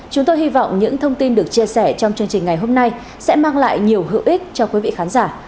chúng tôi hy vọng những thông tin được chia sẻ trong chương trình ngày hôm nay sẽ mang lại nhiều hữu ích cho quý vị khán giả